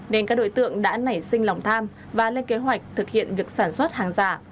nên các đối tượng đã nảy sinh lòng tham và lên kế hoạch thực hiện việc sản xuất hàng giả